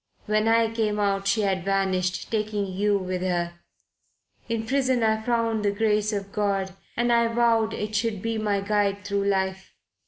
When I came out she had vanished, taking you with her. In prison I found the Grace of God and I vowed it should be my guide through life.